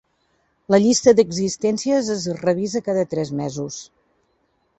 La llista d'existències es revisa cada tres mesos.